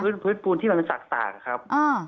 บนพื้นปูนที่มันสากครับ